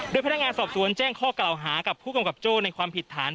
พนักงานสอบสวนแจ้งข้อกล่าวหากับผู้กำกับโจ้ในความผิดฐาน